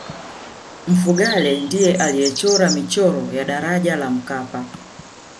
mfugale ndiye aliyechora michoro ya daraja la mkapa